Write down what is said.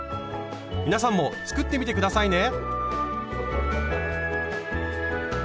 皆さんも作ってみて下さいね！